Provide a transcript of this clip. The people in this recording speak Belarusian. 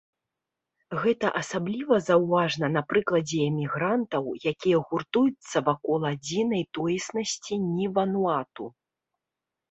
Гэта асабліва заўважна на прыкладзе эмігрантаў, якія гуртуюцца вакол адзінай тоеснасці ні-вануату.